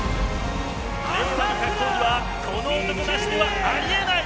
令和の格闘技はこの男なしではあり得ない。